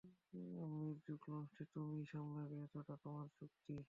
Music লঞ্চটি তুমিই সামলাবে, এটাতো তোমার চুক্তি।